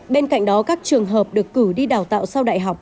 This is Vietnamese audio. bên cạnh đó các trường hợp được cử đi đào tạo sau đại học